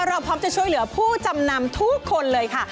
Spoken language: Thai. เราพร้อมจะช่วยเหลือผู้จำนำทุกคนเลยค่ะ